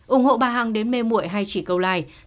ủng hộ bà hằng đến mê mụi hay chỉ câu like